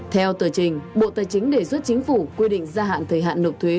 theo tờ trình bộ tài chính đề xuất chính phủ quy định gia hạn thời hạn nộp thuế